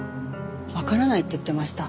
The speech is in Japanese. わからないって言ってました。